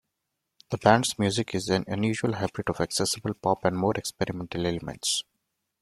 The band's music is an unusual hybrid of accessible pop and more experimental elements.